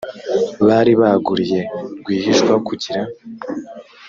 bari baguriye rwihishwa kugira